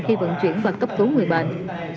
khi vận chuyển và cấp cứu người bệnh